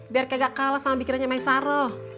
biar kagak kalah sama pikirnya maisaroh